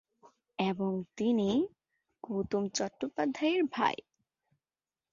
এবং তিনি গৌতম চট্টোপাধ্যায়ের ভাই।